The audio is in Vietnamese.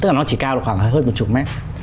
tức là nó chỉ cao được khoảng hơn một chục mét